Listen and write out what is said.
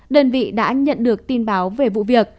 đơn vị đã nhận được tin báo về vụ việc